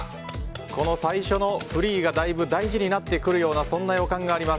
この最初のフリーがだいぶ大事になってくるようなそんな予感があります。